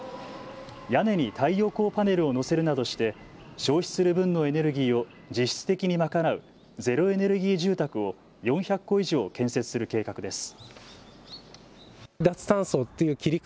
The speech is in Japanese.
屋根に太陽光パネルを載せるなどして消費する分のエネルギーを実質的に賄うゼロエネルギー住宅を４００戸以上建設する計画です。